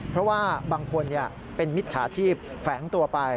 เพราะว่าบางคนเป็นมิจฉาชีพแฝงตัวไป